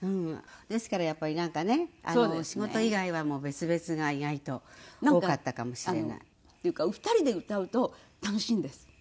ですからやっぱりなんかね仕事以外はもう別々が意外と多かったかもしれない。というか２人で歌うと楽しいんです。